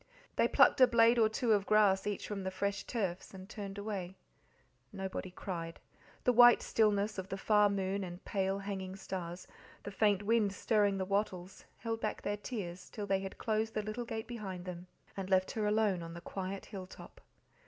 They plucked a blade or two of grass each from the fresh turfs, and turned away. Nobody cried; the white stillness of the far moon, the pale, hanging stars, the faint wind stirring the wattles; held back their tears till they had closed the little gate behind them and left her alone on the quiet hill top.